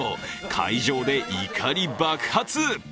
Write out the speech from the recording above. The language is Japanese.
会場で怒り爆発。